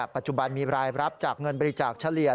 ปัจจุบันมีรายรับจากเงินบริจาคเฉลี่ย